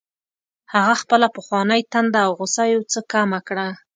هغه خپله پخوانۍ تنده او غوسه یو څه کمه کړه